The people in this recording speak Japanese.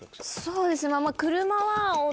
そうですね。